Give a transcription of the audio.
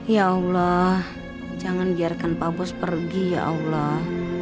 ya allah jangan biarkan pak bos pergi ya allah